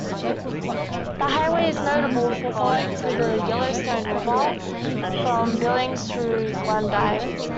The Highway is notable for following the Yellowstone River from Billings through Glendive.